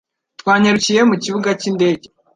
Twanyarukiye mu kibuga cy'indege